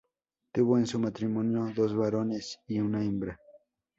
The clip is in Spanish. Tuvo en su matrimonio dos varones y una hembra.